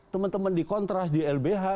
teman teman di kontras di lbh